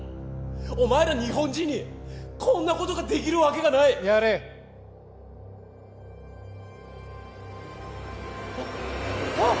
お前ら日本人にこんなことができるわけがないやれあっあっ！